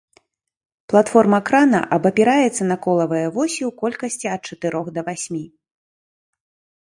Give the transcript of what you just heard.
Платформа крана абапіраецца на колавыя восі ў колькасці ад чатырох да васьмі.